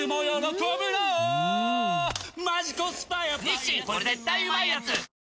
「日清これ絶対うまいやつ」